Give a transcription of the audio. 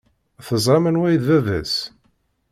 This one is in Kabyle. Teẓram anwa i d baba-s?